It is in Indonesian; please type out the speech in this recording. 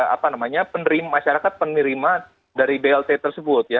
apa namanya masyarakat penerima dari blt tersebut ya